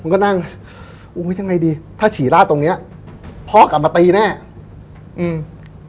มันก็นั่งโอ้ยยังไงดีถ้าฉรีราชตรงนี้พอกละมาตีแน่อืม